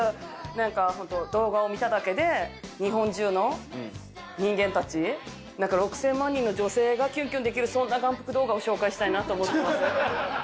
何かホント動画を見ただけで日本中の人間たち何か６０００万人の女性がきゅんきゅんできるそんな眼福動画を紹介したいなと思っています。